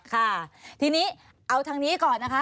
ค่ะทีนี้เอาทางนี้ก่อนนะคะ